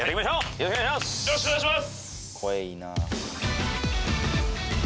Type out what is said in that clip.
よろしくお願いします。